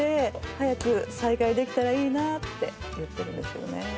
早く再開できたらいいなって言ってるんですけどね。